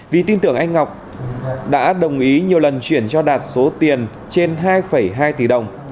vì tin tưởng anh ngọc đã đồng ý nhiều lần chuyển cho đạt số tiền trên hai hai tỷ đồng